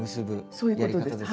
そういうことです。